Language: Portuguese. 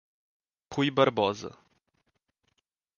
Ruy Barbosa